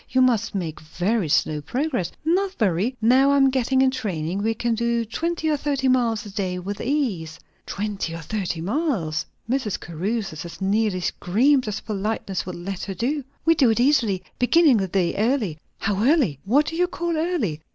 You must make very slow progress?" "Not very. Now I am getting in training, we can do twenty or thirty miles a day with ease." "Twenty or thirty miles!" Mrs. Caruthers as nearly screamed as politeness would let her do. "We do it easily, beginning the day early." "How early? What do you call early?"